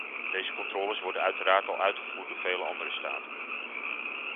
Deze controles worden uiteraard al uitgevoerd door vele andere staten.